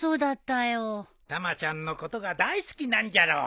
たまちゃんのことが大好きなんじゃろう。